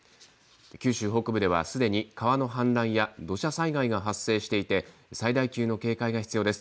九州北部ではすでに川の氾濫や土砂災害が発生していて最大級の警戒が必要です。